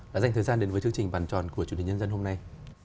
đã dành thời gian đến với chương trình bàn tròn của chủ đề nhân dân hôm nay